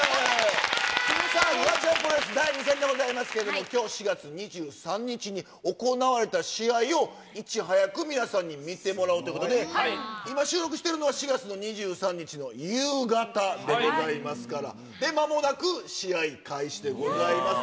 さあ、フワちゃん、これ、第２戦でございますけれども、きょう４月２３日に行われた試合を、いち早く皆さんに見てもらうということで、今、収録しているのは４月の２３日の夕方でございますから、まもなく試合開始でございます。